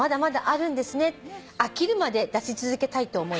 「飽きるまで出し続けたいと思います」